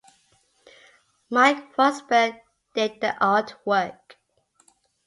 Mike Vosburg did the artwork.